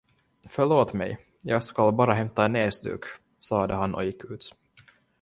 Förlåt mig, jag skall bara hämta en näsduk, sade han och gick ut.